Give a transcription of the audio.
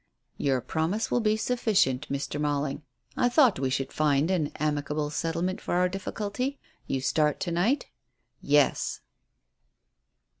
"Your promise will be sufficient, Mr. Malling. I thought we should find an amicable settlement for our difficulty. You start to night?" "Yes."